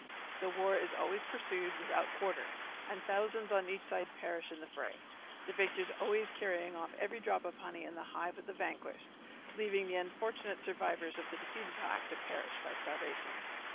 The war is always pursued without quarter and thousands on each side perish in the fray, the victors always carrying off every drop of honey in the hive of the vanquished, leaving the unfortunate survivors of the defeated hive to perish by starvation.